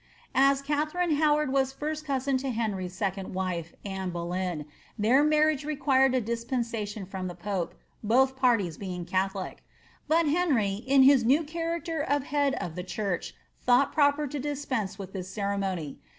As Katharine Howard was first cousin to Henry's second wife, Anoe Boleyn, their marriage required a dispensation from the pope, both parties being catholics ; but Henry, in his new character of head of the church, thought proper to dispense with this ceremony.